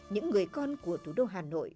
những người con của thủ đô hà nội